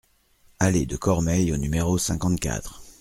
Allée de Cormeilles au numéro cinquante-quatre